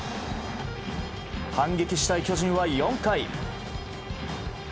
反撃したい巨人は４回。